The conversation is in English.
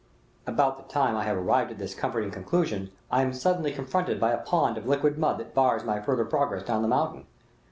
About the time I have arrived at this comforting conclusion, I am suddenly confronted by a pond of liquid mud that bars my farther progress down the mountain.